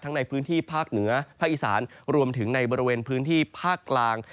ในพื้นที่ภาคเหนือภาคอีสานรวมถึงในบริเวณพื้นที่ภาคกลาง